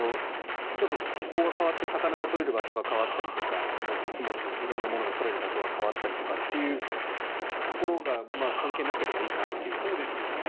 ちょっと気候が変わって魚が取れる場所が変わったりとか作物、色々なものが取れる場所が変わったりとかっていうところが関係なければいいなという感じですが。